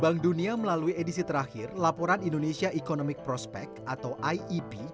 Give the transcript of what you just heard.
bank dunia melalui edisi terakhir laporan indonesia economic prospect atau iep